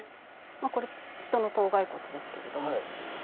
これ人の頭蓋骨ですけれども。